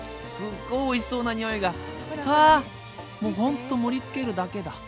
もうほんと盛りつけるだけだ。